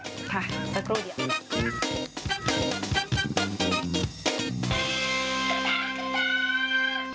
ข้างสักครู่เดี๋ยว